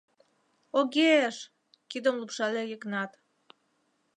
— Оге-еш... — кидым лупшале Йыгнат.